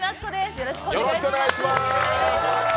よろしくお願いします。